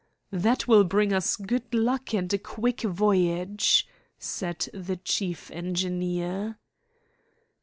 "That will bring us good luck and a quick voyage," said the chief engineer.